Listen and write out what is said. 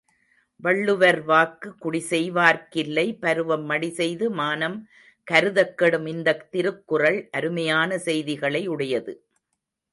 வள்ளுவர் வாக்கு குடிசெய்வார்க் கில்லை பருவம் மடிசெய்து மானம் கருதக் கெடும் இந்தத் திருக்குறள் அருமையான செய்திகளை உடையது.